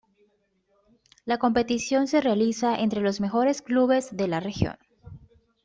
La competición se realiza entre los mejores clubes de la región.